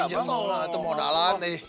injem itu modalan deh